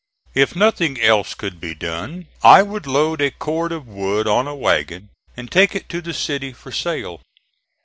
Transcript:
If nothing else could be done I would load a cord of wood on a wagon and take it to the city for sale.